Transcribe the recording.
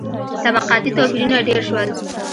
• طبقاتي توپیرونه ډېر شول.